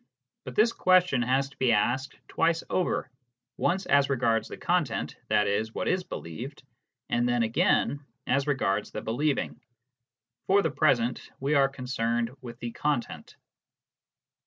But this question has to be asked twice over, once as regards the content, i.e., what is believed, and then again as regards the believing. For the present, we are concerned with the content.